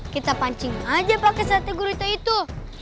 kita pancing aja pakai sate gurita itu